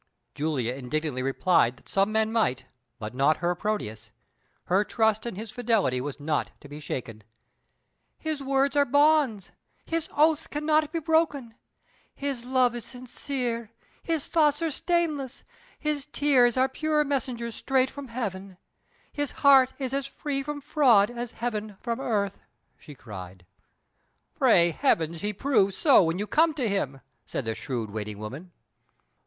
Julia indignantly replied that some men might, but not her Proteus. Her trust in his fidelity was not to be shaken. "His words are bonds, his oaths cannot be broken, his love is sincere, his thoughts are stainless, his tears are pure messengers straight from heaven, his heart is as free from fraud as heaven from earth!" she cried. "Pray heaven he prove so when you come to him!" said the shrewd waiting woman.